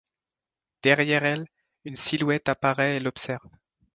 Derrière elle, une silhouette apparaît et l'observe.